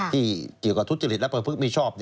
ที่เกี่ยวกับทุจริตและประพฤติมิชอบ